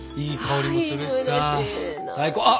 いい香りもするしさ最高。